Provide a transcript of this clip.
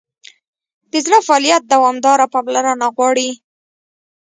د زړه فعالیت دوامداره پاملرنه غواړي.